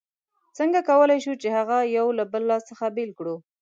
څنګه کولای شو چې هغه یو له بل څخه بېل کړو؟